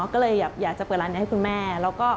ก็เลยอยากจะเปิดร้านนี้ให้คุณแม่แล้วก็